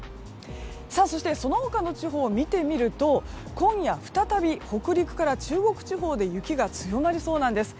そしてその他の地方を見てみると今夜再び北陸から中国地方で雪が強まりそうなんです。